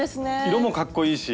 色もかっこいいし。